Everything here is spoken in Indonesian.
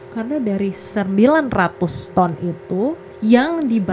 karena dari sembilan ratus ton itu yang dibakar